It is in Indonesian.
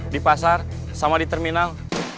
di pasar sama di terminal